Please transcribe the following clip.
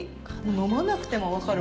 飲まなくても分かる。